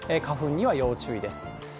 花粉には要注意です。